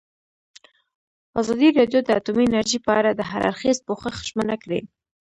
ازادي راډیو د اټومي انرژي په اړه د هر اړخیز پوښښ ژمنه کړې.